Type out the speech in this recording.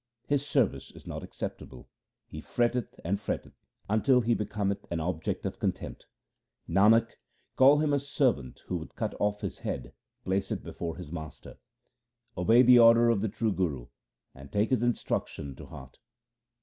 His service is not acceptable ; he fretteth and fretteth until he becometh an object of contempt. Nanak, call him a servant who would cut off his head, place it before his master, Obey the order of the true Guru, and take his instruction to heart.